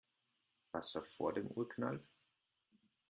Was war vor dem Urknall?